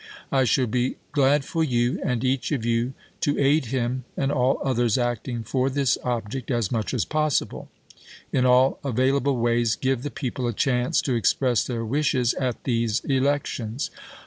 I shall be glad for you, and each of you, to aid him and all others acting for this object as much as possible. In all available ways give the people a chance to express their wishes at these elections.